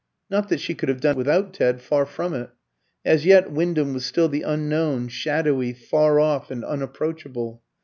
Not that she could have done without Ted far from it. As yet Wyndham was still the unknown, shadowy, far off, and unapproachable.